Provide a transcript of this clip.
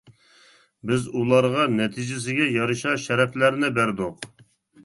بىز ئۇلارغا نەتىجىسىگە يارىشا شەرەپلەرنى بەردۇق.